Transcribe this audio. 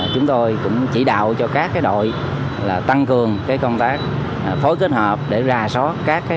chúng tôi cũng chỉ đạo cho các cái đội là tăng cường cái công tác phối kết hợp để ra sót các cái